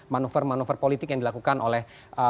manuver manuver politik yang dilakukan oleh